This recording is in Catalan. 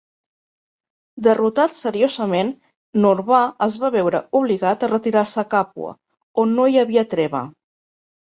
Derrotat seriosament, Norbà es va veure obligat a retirar-se a Càpua, on no hi havia treva.